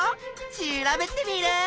調べテミルン！